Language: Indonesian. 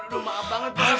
aduh maaf banget